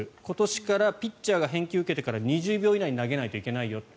今年からピッチャーが返球を受けてから２０秒以内に投げないといけないよ。